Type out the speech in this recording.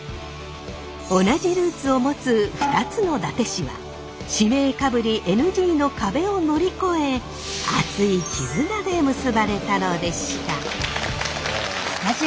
同じルーツを持つ２つの伊達市は市名かぶりＮＧの壁を乗り越え熱い絆で結ばれたのでした。